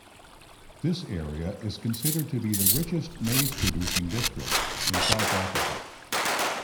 This area is considered to be the richest maize-producing district in South Africa.